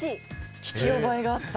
聞き覚えがあった。